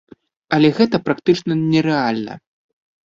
Але гэта практычна нерэальна.